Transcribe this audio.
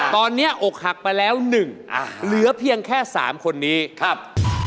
ตอนนี้อกหักไปแล้วหนึ่งเหลือเพียงแค่สามคนนี้ครับ